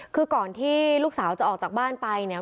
คือก่อนที่ลูกสาวจะออกจากบ้านไปเนี่ย